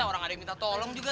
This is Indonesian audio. orang ada yang minta tolong juga